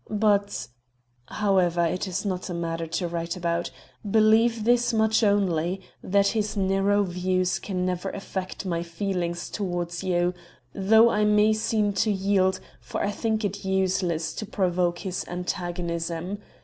But ... however, it is not a matter to write about. Believe this much only: that his narrow views can never affect my feelings towards you; though I may seem to yield, for I think it useless to provoke his antagonism.